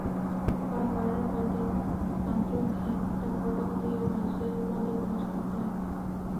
কড়া পাহারার মধ্যে মাত্র একটা ফটক দিয়ে নজরদারির মধ্যে প্রবেশ করতে হয়।